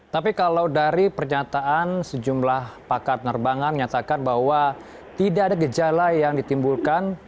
tapi kalau dari pernyataan sejumlah pakar penerbangan menyatakan bahwa tidak ada gejala yang ditimbulkan